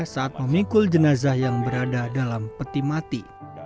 saat memikul jenazah yang berada dalam peti mati